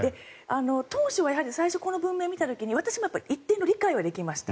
当初は最初、この文面を見た時に私も一定の理解はできました。